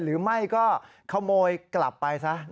หรือไม่ก็ขโมยกลับไปซะ